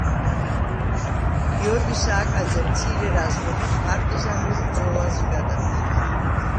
გიორგი სააკაძე მცირე რაზმებით პარტიზანულ ბრძოლაზე გადავიდა.